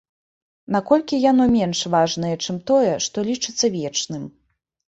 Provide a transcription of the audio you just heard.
Наколькі яно менш важнае чым тое, што лічыцца вечным.